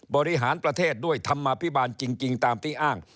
บริหารประเทศด้วยธรรมภิบาลจริงตามที่อ้าง